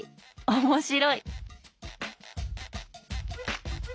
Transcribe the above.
面白い！